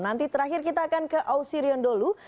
nanti terakhir kita akan ke ausirion dulu